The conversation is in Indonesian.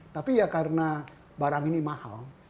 tapi ya karena barang ini mahal